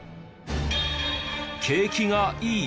景気がいい